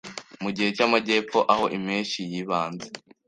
Mugihe cyamajyepfo Aho impeshyi yibanze